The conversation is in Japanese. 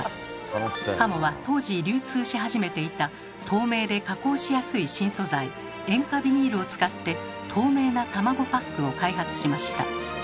加茂は当時流通し始めていた透明で加工しやすい新素材「塩化ビニール」を使って透明な卵パックを開発しました。